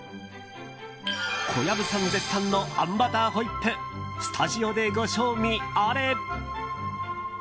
小籔さん絶賛のあんバターホイップスタジオでご賞味あれ。